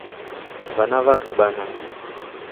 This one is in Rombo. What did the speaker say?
Vana va kabana.